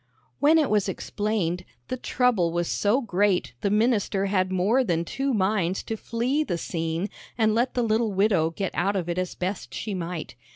When it was explained, the trouble was so great the minister had more than two minds to flee the scene and let the little widow get out of it as best she might.